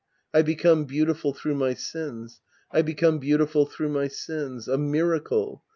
I become beautiful through my sins. I become beautiful through my sins. A miracle